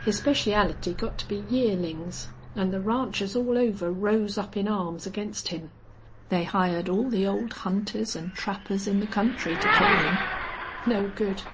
His specialty got to be yearlings, an' the ranchers all over rose up in arms against him. They hired all the old hunters an' trappers in the country to kill him. No good!